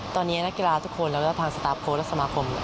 ตอนนี้นักกีฬาทุกคนและพรั้งสตาพโพล์และสมาคม